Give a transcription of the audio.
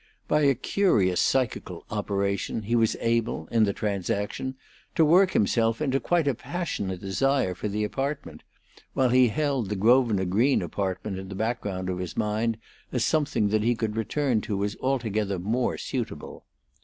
By a curious psychical operation he was able, in the transaction, to work himself into quite a passionate desire for the apartment, while he held the Grosvenor Green apartment in the background of his mind as something that he could return to as altogether more suitable.